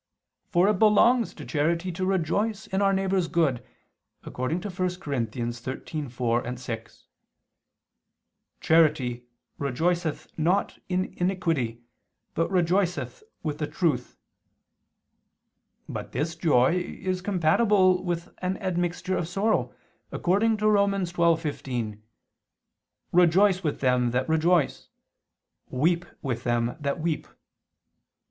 For it belongs to charity to rejoice in our neighbor's good, according to 1 Cor. 13:4, 6: "Charity ... rejoiceth not in iniquity, but rejoiceth with the truth." But this joy is compatible with an admixture of sorrow, according to Rom. 12:15: "Rejoice with them that rejoice, weep with them that weep."